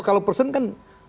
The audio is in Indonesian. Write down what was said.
kalau person kan